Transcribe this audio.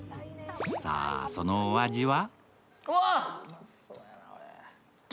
さあ、そのお味は？